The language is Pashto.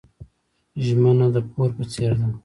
ژمنه د پور په څیر ده.